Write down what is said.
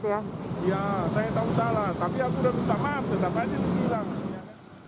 iya saya tahu salah tapi aku udah tetap maaf tetap aja dihilang